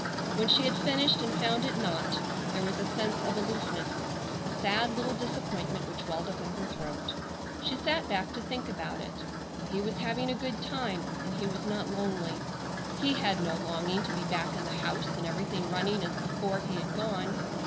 When she had finished and found it not, there was a sense of aloofness, a sad little disappointment which welled up in her throat. She sat back to think about it. He was having a good time, and he was not lonely. He had no longing to be back in the house and everything running as before he had gone.